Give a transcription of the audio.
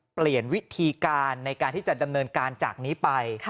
เปลี่ยนวิธีการในการที่จะดำเนินการจากนี้ไป